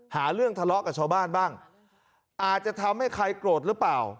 หาเรื่องทะเลาะกับชาวบ้านบ้างอาจจะทำให้ใครโกรธหรือเปล่า